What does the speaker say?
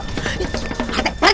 pak rt pak rt